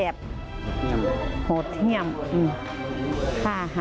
สวัสดีครับ